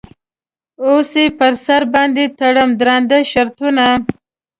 اوس یې په سر باندې تړم درانده شرطونه.